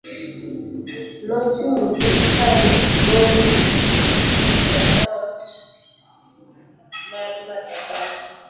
Nochung' gi tandboi e doot mar matoka no.